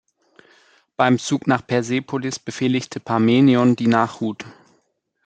Beim Zug nach Persepolis befehligte Parmenion die Nachhut.